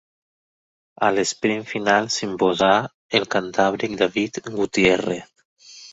A l'esprint final s'imposà el cantàbric David Gutiérrez.